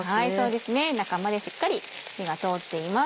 中までしっかり火が通っています。